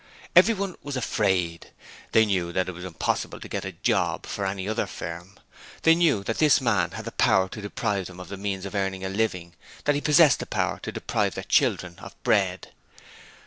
Everyone was afraid. They knew that it was impossible to get a job for any other firm. They knew that this man had the power to deprive them of the means of earning a living; that he possessed the power to deprive their children of bread.